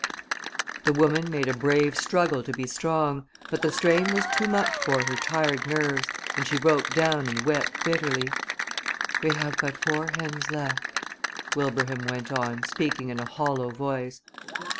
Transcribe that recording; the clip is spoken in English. The woman made a brave struggle to be strong, but the strain was too much for her tired nerves and she broke down and wept bitterly. "We have but four hens left," Wilbraham went on, speaking in a hollow voice.